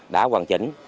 đã hoàn chỉnh